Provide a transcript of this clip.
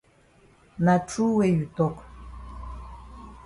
Na true wey you tok.